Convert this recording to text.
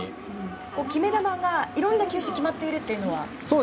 決め球が、いろんな球種が決まっているというのは？